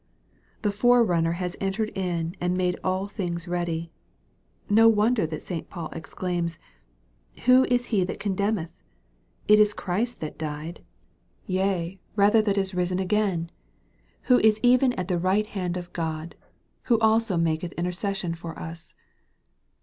The Forerunner has entered in and made all things ready, No wonder that St. Paul exclaims, " Who is He that eoudemneth ? It is Christ that died ; jea, rather that is MARK, CHAP. XVI. 369 risen again who is even at the right hand of God who also maketh intercession for us."